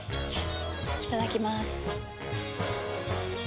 いただきまーす。